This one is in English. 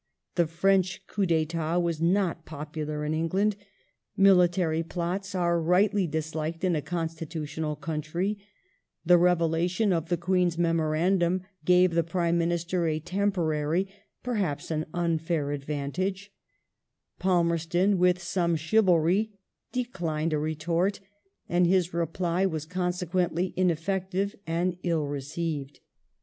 The French coup d'4tat was not popular in Eng land ; military plots are rightly disliked in a constitutional country ; the revelation of the Queen's Memorandum gave the Prime Minister a temporary— perhaps an unfair — advantage; Palmerston, with some chivalry, declined a retort, and his reply was consequently ineff^ective and ill received.